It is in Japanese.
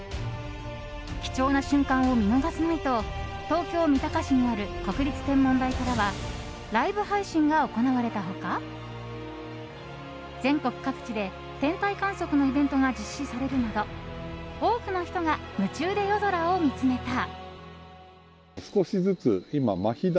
貴重な瞬間を見逃すまいと東京・三鷹市にある国立天文台からはライブ配信が行われた他全国各地で天体観測のイベントが実施されるなど多くの人が夢中で夜空を見つめた。